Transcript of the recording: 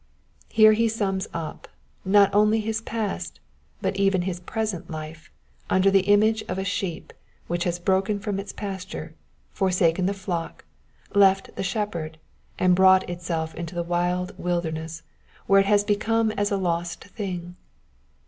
He here siuns up, not only his past, but even his present life, under the image of a sheep which has broken from its pasture, forsaken the f ock, left the shep herd, and brought itself into the wild wilderness, where it has become as a lost thing.